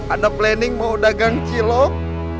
ada planning mau dagang cilok